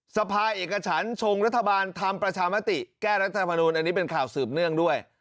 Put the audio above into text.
สภาเอกฉันชงรัฐบาลทำประชามติแก้รัฐธรรมนูลอันนี้เป็นข่าวสืบเนื่องด้วย